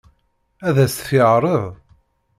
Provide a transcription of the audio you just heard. Ad as-t-yeɛṛeḍ?